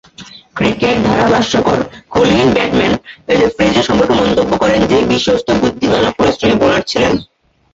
Cricket ধারাভাষ্যকার Colin Bateman Fraser সম্পর্কে মন্তব্য করেন যে, বিশ্বস্ত, বুদ্ধিমান ও পরিশ্রমী বোলার ছিলেন।